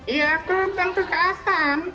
ya aku tentu keatan